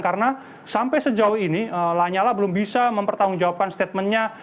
karena sampai sejauh ini lanyala belum bisa mempertanggungjawabkan statementnya